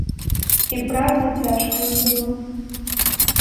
І праца цяжкая была.